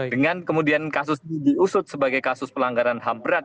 dengan kemudian kasus ini diusut sebagai kasus pelanggaran ham berat